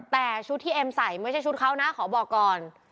แต่ชุดที่เอ็มใส่ไม่ใช่ชุดเขานะขอบอกก่อน